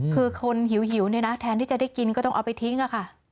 คือคนหิวเนี่ยนะแทนที่จะได้กินก็ต้องเอาไปทิ้งค่ะ